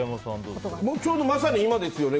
ちょうど、まさに今ですね。